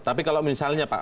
tapi kalau misalnya pak